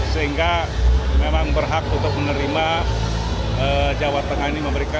sehingga memang berhak untuk menerima jawa tengah ini